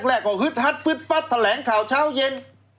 แรกก็ฮึดฮัดฟึดฟัดแถลงข่าวเช้าเย็น